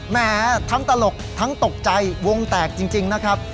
แหมทั้งตลกทั้งตกใจวงแตกจริงนะครับ